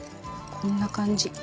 こんな感じ。